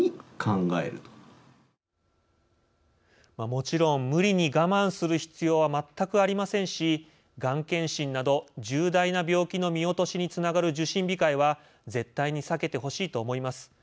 もちろん無理に我慢する必要は全くありませんしがん検診など重大な病気の見落としにつながる「受診控え」は絶対に避けてほしいと思います。